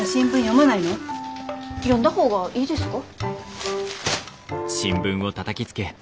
読んだ方がいいですか？